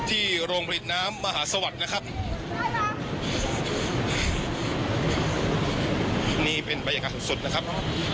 ที่โรงผลิตน้ำมหาสวัสดิ์นะครับ